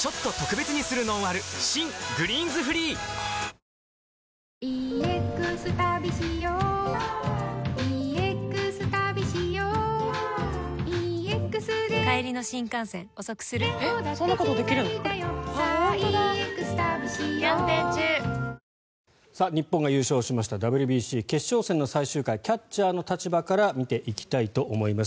新「グリーンズフリー」日本が優勝しましたＷＢＣ決勝戦の最終回キャッチャーの立場から見ていきたいと思います。